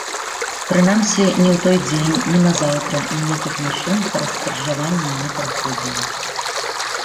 Прынамсі, ні ў той дзень, ні назаўтра ніякіх машын праз скрыжаванне не праходзіла.